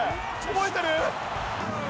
覚えてる！？